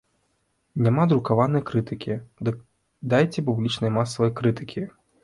Няма друкаванай крытыкі, дык дайце публічнай масавай крытыкі!